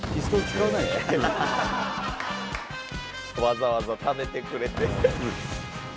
わざわざ食べてくれて。